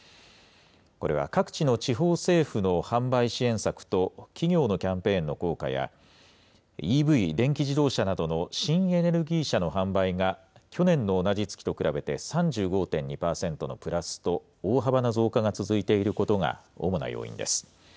これは各地の地方政府の販売支援策と企業のキャンペーンの効果や、ＥＶ・電気自動車などの新エネルギー車の販売が去年の同じ月と比べて、３５．２％のプラスと大幅な増加が続いていることが主な要因です。